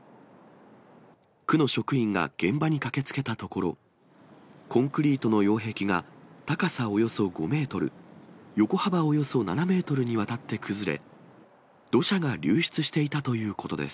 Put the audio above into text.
区の職員が現場に駆けつけたところ、コンクリートの擁壁が高さおよそ５メートル、横幅およそ７メートルにわたって崩れ、土砂が流出していたということです。